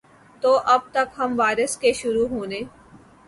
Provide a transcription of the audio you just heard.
تو اب تک ہم وائرس کے شروع ہونے